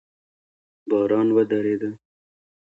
باران ودرېده